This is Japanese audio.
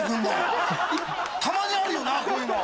たまにあるよなこういうの。